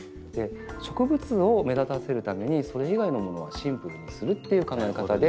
植物を目立たせるためにそれ以外のものはシンプルにするっていう考え方で選んでいるんですね。